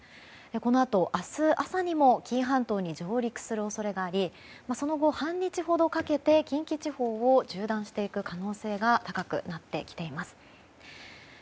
このあと、明日朝にも紀伊半島に上陸する恐れがありその後、半日ほどかけて近畿地方を縦断していく可能性が高くなってきています。